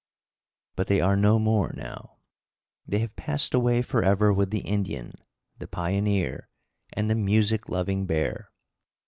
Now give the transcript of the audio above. But they are no more, now. They have passed away forever with the Indian, the pioneer, and the music loving bear.